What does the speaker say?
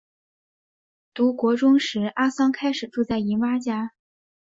读国中时阿桑开始住在姨妈家。